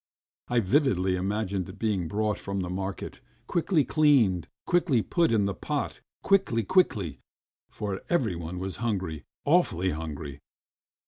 ... I vividly imagined it being brought from the market, quickly cleaned, quickly put in the pot, quickly, quickly, for everyone was hungry ... awfully hungry!